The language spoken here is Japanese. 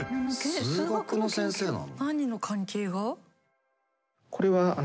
数学の先生なの？